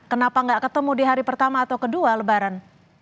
kenapa nggak ketemu di hari pertama atau kedua lebaran